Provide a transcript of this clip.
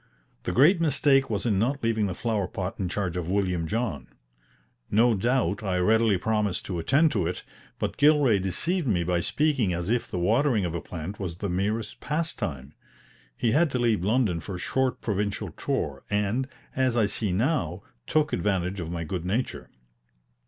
The great mistake was in not leaving the flower pot in charge of William John. No doubt I readily promised to attend to it, but Gilray deceived me by speaking as if the watering of a plant was the merest pastime. He had to leave London for a short provincial tour, and, as I see now, took advantage of my good nature.